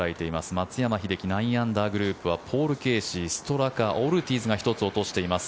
松山英樹９アンダーグループはポール・ケーシー、ストラカオルティーズが１つ落としています。